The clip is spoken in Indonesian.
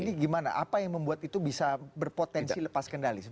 ini gimana apa yang membuat itu bisa berpotensi lepas kendali